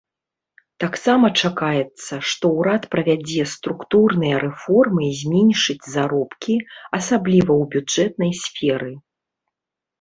Таксама чакаецца, што ўрад правядзе структурныя рэформы і зменшыць заробкі, асабліва ў бюджэтнай сферы.